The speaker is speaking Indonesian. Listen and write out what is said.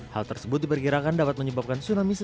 hal tersebut diperkirakan dapat menyebabkan tsunami